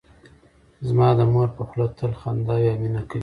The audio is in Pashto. زما د مور په خوله تل خندا وي او مینه کوي